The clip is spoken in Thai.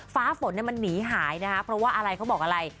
ฟ้าฝนมันหนีหายนะคะเพราะว่าอะไรเขาบอกอะไร